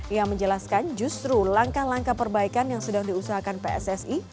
ia menjelaskan justru langkah langkah perbaikan yang sedang diusahakan pssi